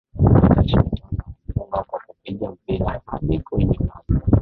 Peter Shilton na kufunga kwa kupiga mpira hadi kwenye wavu